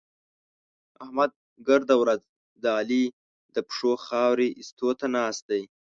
احمد ګرده ورځ د علي د پښو خاورې اېستو ته ناست دی.